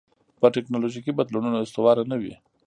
پر ټکنالوژیکي بدلونونو استواره نه وي.